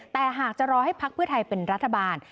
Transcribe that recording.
แต่หากจะรอให้พักเพื่อไทยเป็นรัฐบาล